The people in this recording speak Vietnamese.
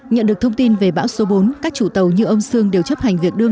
nhận được thông tin về bão số bốn các chủ tàu như ông sương đều chấp hành việc đưa